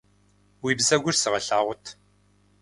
Уи бзэгур сыгъэлъагъут.